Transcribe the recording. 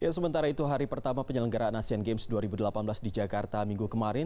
sementara itu hari pertama penyelenggaraan asean games dua ribu delapan belas di jakarta minggu kemarin